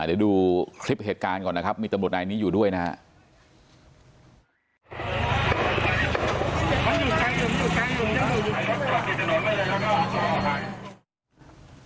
เดี๋ยวดูคลิปเหตุการณ์ก่อนนะครับมีตำรวจนายนี้อยู่ด้วยนะครับ